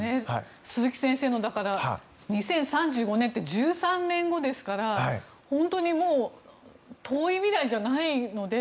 鈴木先生の２０３５年って１３年後ですから、本当にもう遠い未来じゃないので。